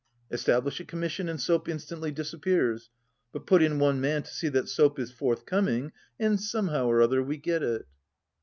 Establish a commission and soap instantly disappears. But put in one man to see that soap is forthcoming, and somehow or other we get it."